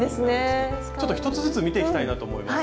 ちょっと１つずつ見ていきたいなと思います。